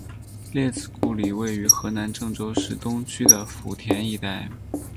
列子故里位于河南郑州市东区的圃田一带。